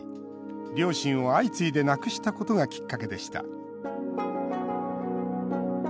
両親を相次いで亡くしたことがきっかけでした。